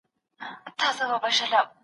د هري لیکني تجزیه لازمه ده.